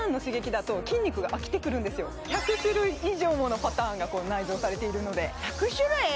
うん１００種類以上ものパターンが内蔵されているので１００種類！？